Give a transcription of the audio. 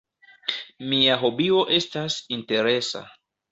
Mia hobio estas interesa.